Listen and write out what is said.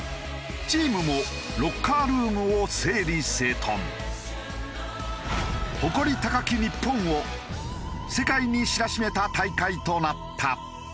チームもロッカールームを整理整頓。を世界に知らしめた大会となった。